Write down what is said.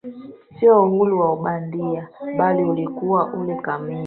sio uhuru wa bandia bali ulikuwa ule kamili